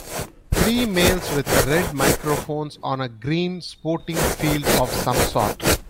Three males with red microphones on a green sporting field of some sort.